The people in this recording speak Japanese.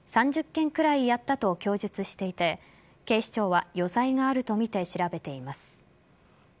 ３０件くらいやったと供述していて警視庁は余罪があるとみて調べています。